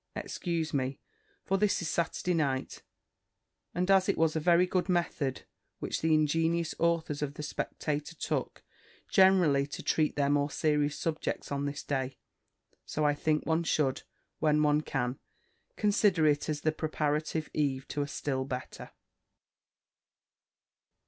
Excuse me; for this is Saturday night: and as it was a very good method which the ingenious authors of the Spectator took, generally to treat their more serious subjects on this day; so I think one should, when one can, consider it as the preparative eve to a still better.